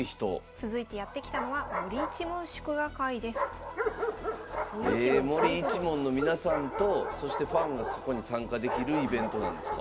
続いてやって来たのはえ森一門の皆さんとそしてファンがそこに参加できるイベントなんですか。